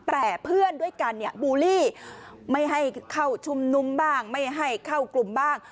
แต่เพื่อนด้วยกันเนี่ยบูลลี่ไม่ให้เข้าชุมนุมบ้างไม่ให้เข้ากลุ่มบ้าง